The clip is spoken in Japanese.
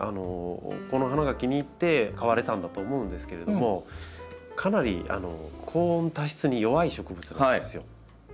この花が気に入って買われたんだと思うんですけれどもかなり高温多湿に弱い植物なんですよ。